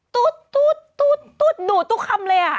ตุ๊ดดูดทุกคำเลย